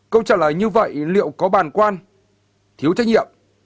câu trả lời như vậy liệu có bàn quan thiếu trách nhiệm